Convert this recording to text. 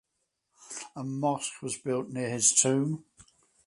A mosque was built near his tomb.